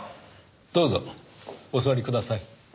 どうぞお座りください。